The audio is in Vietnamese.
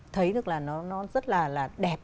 thấy được là nó rất là đẹp